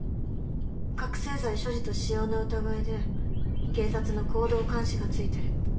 覚醒剤所持と使用の疑いで警察の行動監視がついてる。